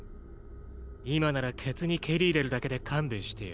今ならケツに蹴り入れるだけで勘弁してやる。